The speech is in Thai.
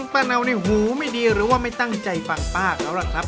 เป้านี่หูไม่ดีหรือว่าไม่ตั้งใจฟังป้าเขาล่ะครับ